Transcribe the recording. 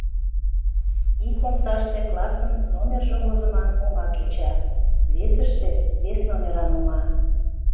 Ик омсаште классын номержым возыман оҥа кеча, весыште — вес номеран оҥа.